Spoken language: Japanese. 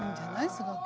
すごく。